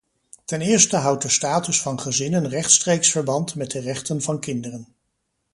Ten eerste houdt de status van gezinnen rechtstreeks verband met de rechten van kinderen.